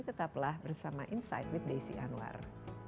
tetaplah bersama insight with desi anwar